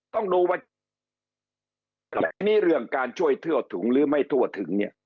ต้องรู้ว่าจะมีเรื่องการช่วยเที่ยวถึงหรือไม่เที่ยวถึง